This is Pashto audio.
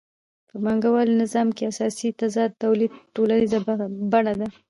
په پانګوالي نظام کې اساسي تضاد د تولید ټولنیزه بڼه ده